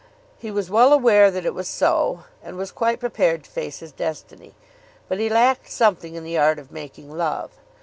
He was well aware that it was so, and was quite prepared to face his destiny. But he lacked something in the art of making love.